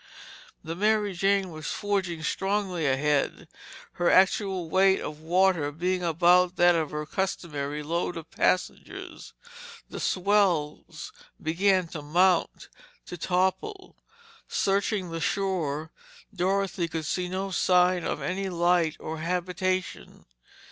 The Mary Jane was forging strongly ahead, her actual weight of water being about that of her customary load of passengers. The swells began to mount, to topple. Searching the shore, Dorothy could see no sign of any light or habitation.